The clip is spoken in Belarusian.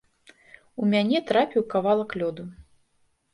У мяне трапіў кавалак лёду.